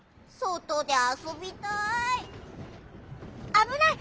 ・あぶない！